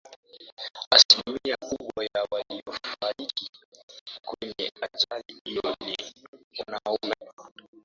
asilimia kubwa ya waliyofariki kwenye ajali hiyo ni wanaume